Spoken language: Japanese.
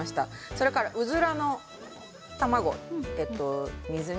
それから、うずらのゆで卵です。